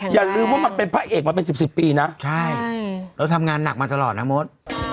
อย่าลืมว่ามันเป็นพระเอกมันเป็นสิบสิบปีนะใช่แล้วทำงานหนักมาตลอดนะโม๊ต